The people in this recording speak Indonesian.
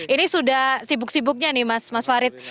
ini sudah sibuk sibuknya nih mas farid